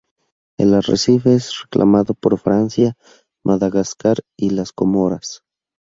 El arrecife es reclamado por Francia, Madagascar y las Comoras.